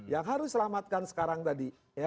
yang harus selamatkan sekarang tadi